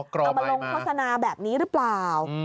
อ๋อกรอบใหม่มาเอามาลงโฆษณาแบบนี้หรือเปล่า